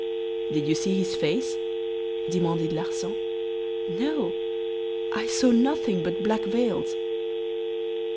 "'Did you see his face?' demanded Larsan. "'No! I saw nothing but black veils.